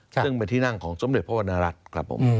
ซึ่งเป็นที่นั่งของสมเด็จพระวรรณรัฐครับผม